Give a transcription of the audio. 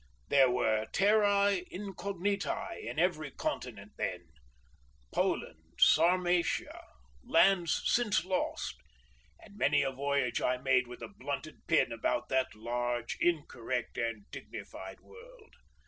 There were Terrae Incognitae in every continent then, Poland, Sarmatia, lands since lost; and many a voyage I made with a blunted pin about that large, incorrect and dignified world.